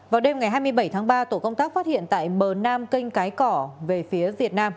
vào đêm ngày hai mươi bảy tháng ba tổ công tác phát hiện tại bờ nam kênh cái cỏ về phía việt nam